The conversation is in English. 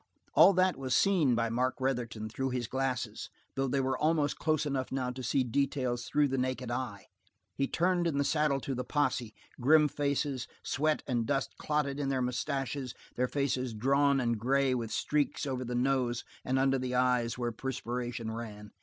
All that was seen by Mark Retherton through his glasses, though they were almost close enough now to see details through the naked eye. He turned in the saddle to the posse, grim faces, sweat and dust clotted in their moustaches, their faces drawn and gray with streaks over the nose and under the eyes where perspiration ran.